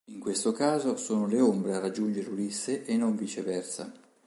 In questo caso sono le ombre a raggiungere Ulisse e non viceversa.